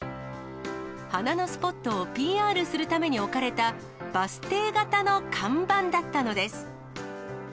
花のスポットをＰＲするために置かれたバス停型の看板だったのです。